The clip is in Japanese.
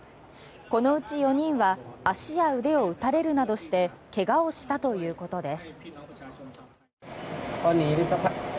このうち４人は足や腕を撃たれるなどして怪我をしたということです。